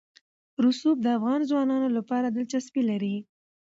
رسوب د افغان ځوانانو لپاره دلچسپي لري.